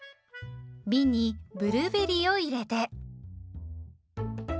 びんにブルーベリーを入れて。